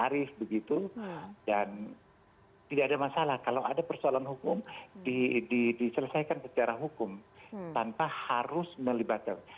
tarif begitu dan tidak ada masalah kalau ada persoalan hukum diselesaikan secara hukum tanpa harus melibatkan